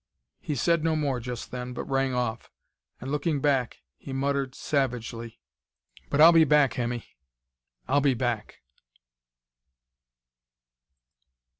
He said no more just then; but rang off, and, looking back, he muttered savagely: "But I'll be back, Hemmy I'll be back!"